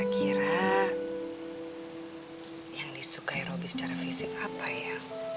kira kira yang disukai roby secara fisik apa ya